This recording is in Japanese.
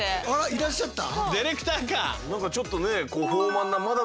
いらっしゃった？